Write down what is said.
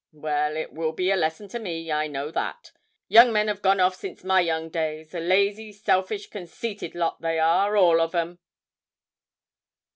Well, it will be a lesson to me, I know that. Young men have gone off since my young days; a lazy, selfish, conceited lot they are, all of 'em.'